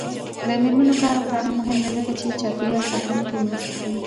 د میرمنو کار او تعلیم مهم دی ځکه چې چاپیریال ساتنه کې مرسته کوي.